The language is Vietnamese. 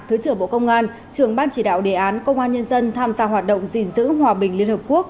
thứ trưởng bộ công an trưởng ban chỉ đạo đề án công an nhân dân tham gia hoạt động gìn giữ hòa bình liên hợp quốc